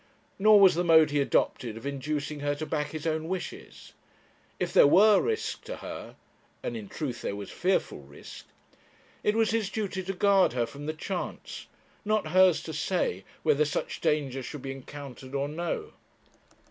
Nor was the mode he adopted of inducing her to back his own wishes. If there were risk to her and in truth there was fearful risk it was his duty to guard her from the chance, not hers to say whether such danger should be encountered or no.